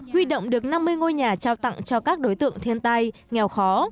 huy động được năm mươi ngôi nhà trao tặng cho các đối tượng thiên tai nghèo khó